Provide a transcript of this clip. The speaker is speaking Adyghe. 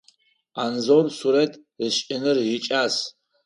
Анзор сурэт ышӏыныр икӏас.